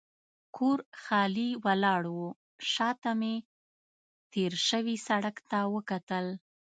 کور خالي ولاړ و، شا ته مې تېر شوي سړک ته وکتل.